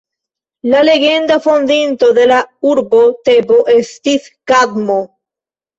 La legenda fondinto de la urbo Tebo estis Kadmo.